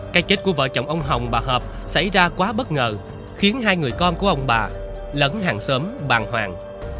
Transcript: cái chết của vợ chồng ông hồng bà hợp xảy ra quá bất ngờ khiến hai người con của ông bà lẫn hàng xóm bàn hoàng